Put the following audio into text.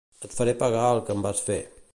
Et faré pagar el que em vas fer.